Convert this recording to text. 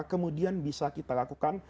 kemudian bisa kita lakukan